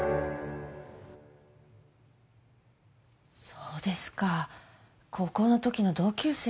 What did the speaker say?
そうですか高校の時の同級生。